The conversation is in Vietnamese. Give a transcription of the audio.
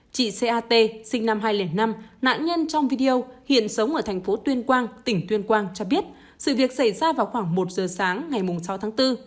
chị ca t sinh năm hai nghìn năm nạn nhân trong video hiện sống ở thành phố tuyên quang tỉnh tuyên quang cho biết sự việc xảy ra vào khoảng một giờ sáng ngày sáu tháng bốn